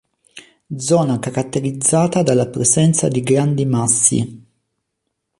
Zona caratterizzata dalla presenza di grandi massi.